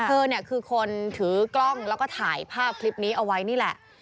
เธอเนี่ยคือคนถือกล้องแล้วก็ถ่ายภาพคลิปนี้เอาไว้นี่แหละ